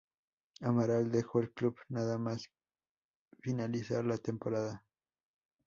Amaral dejó el club nada más finalizar la temporada.